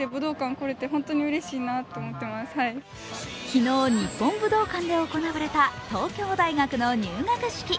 昨日、日本武道館で行われた東京大学の入学式。